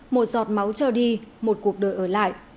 một giọt máu cho đi một cuộc đời ở lại